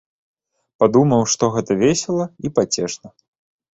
Падумаў, што гэта весела і пацешна.